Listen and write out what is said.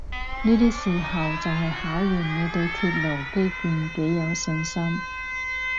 呢啲時候就係考驗你對鐵路基建幾有信心